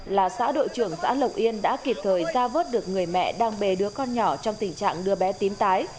là xã đội trưởng xã lộc yên đã kịp thời ra vớt được người mẹ đang bề đứa con nhỏ trong tình trạng đưa bé tím tái